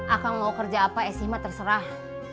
akang mau kerja apa esi mah terserah